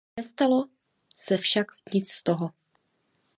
Nestalo se však nic z toho.